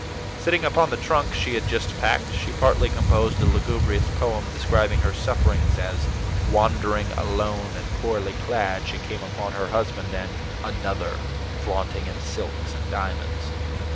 Sitting upon the trunk she had just packed, she partly composed a lugubrious poem describing her sufferings as, wandering alone and poorly clad, she came upon her husband and "another" flaunting in silks and diamonds.